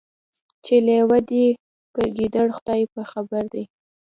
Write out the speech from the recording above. چي لېوه دی که ګیدړ خدای په خبر دی